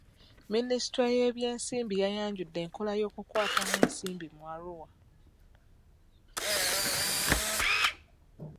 Minisitule y'ebyensimbi yayanjudde enkola y'okukwatamu ensimbi mu Arua.